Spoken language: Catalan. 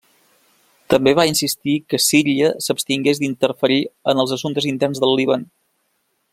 També va insistir que Síria s'abstingués d'interferir en els assumptes interns del Líban.